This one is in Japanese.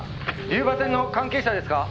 「龍馬戦の関係者ですか？」